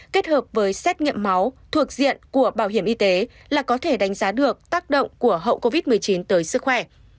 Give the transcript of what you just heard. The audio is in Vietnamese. kết hợp với xét nghiệm máu thuộc diện của bảo hiểm y tế là có thể đánh giá được tác động của hậu covid một mươi chín tới sức khỏe